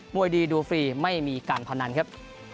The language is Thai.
วยดีดูฟรีไม่มีการพนันครับ